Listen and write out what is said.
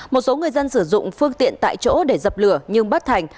một số người dân sử dụng phương tiện tại chỗ để dập lửa nhưng bất thành